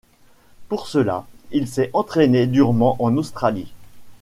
Pour cela, il s'est entraîné durement en Australie.